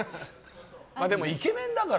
でもイケメンだから。